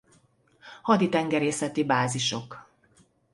Haditengerészeti bázisok